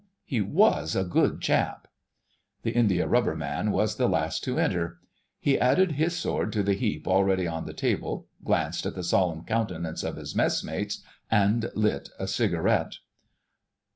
He was a good chap...." The Indiarubber Man was the last to enter. He added his sword to the heap already on the table, glanced at the solemn countenances of his messmates, and lit a cigarette.